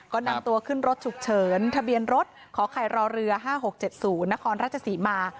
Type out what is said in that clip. ก็นำตัวขึ้นรถฉุกเฉินทะเบียนรถขอไข่รอเรือ๕๖๗๐นครราชศรีมา